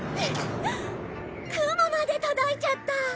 雲まで届いちゃった！